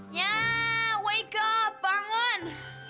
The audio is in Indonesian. nyah bangun bangun